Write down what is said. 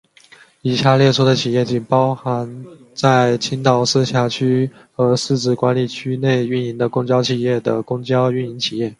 以下列出的企业仅包含在青岛市辖区和市直管理区内运营的公交企业的公交运营企业。